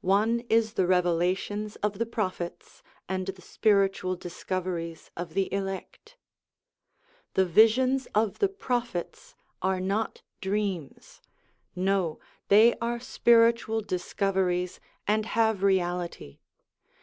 One is the revelations of the Prophets, and the spiritual discoveries of the elect. The visions 290 POWERS AND CONDITIONS OF MAN 291 of the Prophets are not dreams; no, they are spiritual discoveries and have reality.